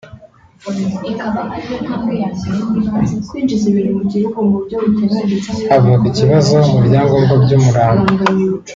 havuka ikibazo mu byangombwa by’umurambo